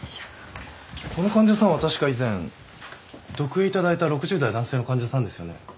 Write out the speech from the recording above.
この患者さんは確か以前読影いただいた６０代男性の患者さんですよね。